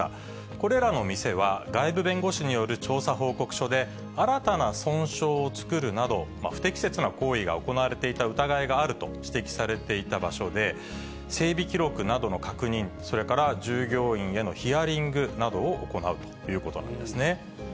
これらの店は、外部弁護士による調査報告書で、新たな損傷を作るなど、不適切な行為が行われていた疑いがあると指摘されていた場所で、整備記録などの確認、それから従業員へのヒアリングなどを行うということなんですね。